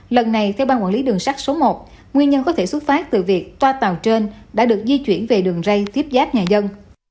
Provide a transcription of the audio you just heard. lần này theo ban quản lý đường sắt số một nguyên nhân có thể xuất phát từ việc toa tàu trên đã được di chuyển về đường rây tiếp giáp nhà dân